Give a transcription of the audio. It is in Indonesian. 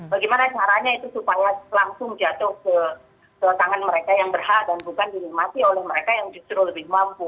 bagaimana caranya itu supaya langsung jatuh ke tangan mereka yang berhak dan bukan dinikmati oleh mereka yang justru lebih mampu